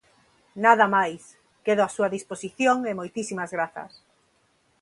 Nada máis, quedo á súa disposición e moitísimas grazas.